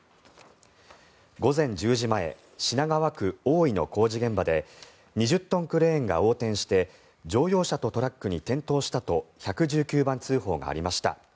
午前１０時前品川区大井の工事現場で２０トンクレーンが横転して乗用車とトラックに転倒したと１１９番通報がありました。